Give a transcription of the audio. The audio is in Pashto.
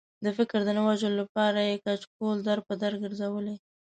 د فکر د نه وژلو لپاره یې کچکول در په در ګرځولی.